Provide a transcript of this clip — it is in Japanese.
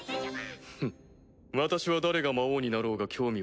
フッ私は誰が魔王になろうが興味はない。